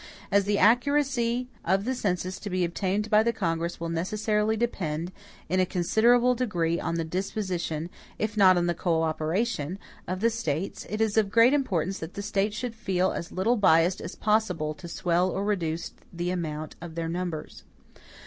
As the accuracy of the census to be obtained by the Congress will necessarily depend, in a considerable degree on the disposition, if not on the co operation, of the States, it is of great importance that the States should feel as little bias as possible, to swell or to reduce the amount of their numbers.